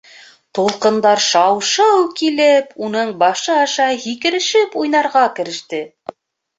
Тулҡындар шау-шыу килеп уның башы аша һикерешеп уйнарға кереште.